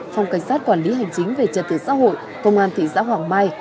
phòng cảnh sát quản lý hành chính về trật tự xã hội công an thị xã hoàng mai